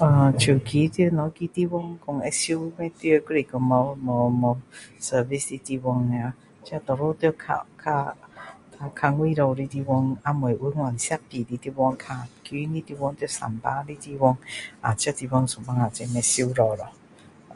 呃手机在哪一个地方说会收不到还是说没没没 service 的地方呀这多数在较较较外面的地方还没有那设备的地方较穷的地方在三芭地方啊有时候就是说会收不到咯啊